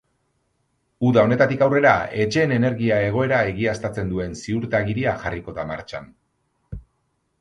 Uda honetatik aurrera, etxeen energia egoera egiaztatzen duen ziurtagiria jarriko da martxan.